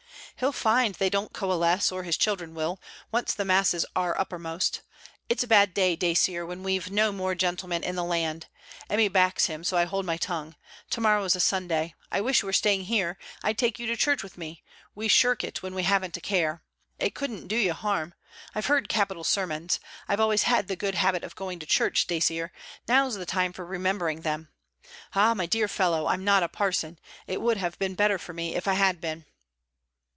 'He'll find they don't coalesce, or his children will. Once the masses are uppermost! It's a bad day, Dacier, when we 've no more gentlemen in the land. Emmy backs him, so I hold my tongue. To morrow's a Sunday. I wish you were staying here; I 'd take you to church with me we shirk it when we haven't a care. It couldn't do you harm. I've heard capital sermons. I've always had the good habit of going to church, Dacier. Now 's the time for remembering them. Ah, my dear fellow, I 'm not a parson. It would have been better for me if I had been.'